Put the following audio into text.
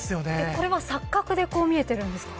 これは錯覚で見えているんですか。